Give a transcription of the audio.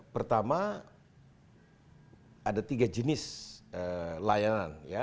pertama ada tiga jenis layanan ya